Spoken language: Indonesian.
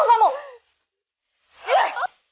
aku baik baik saja